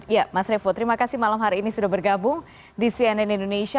ya mas revo terima kasih malam hari ini sudah bergabung di cnn indonesia